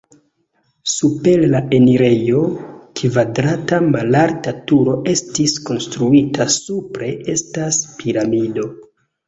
Super la enirejo kvadrata malalta turo estis konstruita, supre estas piramido.